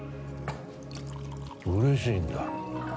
嬉しいんだ